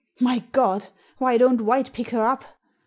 My God ! Why don't White pick her up